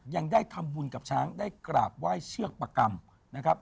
ยังได้ทำบุญกับช้างได้กราบไหว้เชือกประกรรมนะครับ